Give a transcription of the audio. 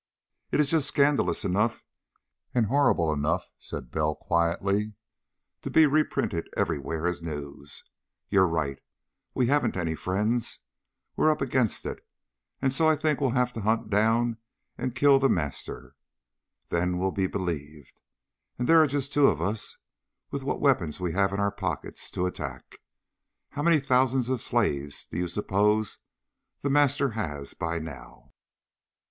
"It is just scandalous enough and horrible enough," said Bell quietly, "to be reprinted everywhere as news. You're right. We haven't any friends. We're up against it. And so I think we'll have to hunt down and kill The Master. Then we'll be believed. And there are just two of us, with what weapons we have in our pockets, to attack. How many thousands of slaves do you suppose The Master has by now?"